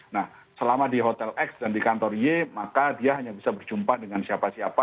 nah selama di hotel x dan di kantor y maka dia hanya bisa berjumpa dengan siapa siapa